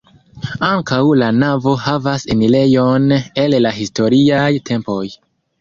Ankaŭ la navo havas enirejon el la historiaj tempoj.